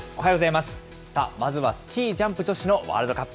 まずはスキージャンプ女子のワールドカップ。